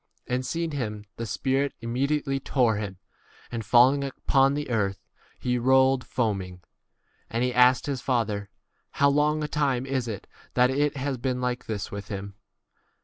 And seeing him the spirit imme diately tore him ; and falling upon 21 the earth, he rolled foaming. And he asked his father, How long a time is it that it has been like this with him